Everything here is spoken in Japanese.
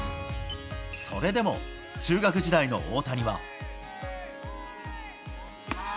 それでも中学時代の大谷は。